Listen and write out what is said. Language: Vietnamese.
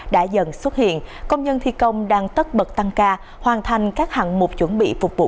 đã dần xuất hiện công nhân thi công đang tất bật tăng ca hoàn thành các hạng mục chuẩn bị phục vụ